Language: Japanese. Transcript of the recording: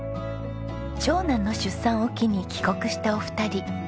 長男の出産を機に帰国したお二人。